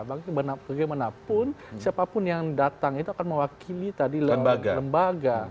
bagaimanapun siapapun yang datang itu akan mewakili tadi lembaga